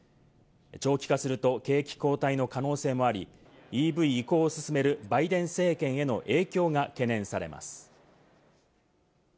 長期化すると景気後退の可能性もあり、ＥＶ移行を進めるバイデン政権への影響が懸念されます。